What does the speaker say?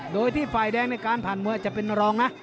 โดยที่ฝ่ายแดงในการผ่านมวยจะเป็นรองนะ